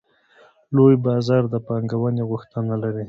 لوی بازار د پانګونې غوښتنه لري.